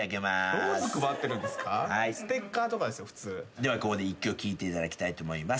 ではここで１曲聴いていただきたいと思います。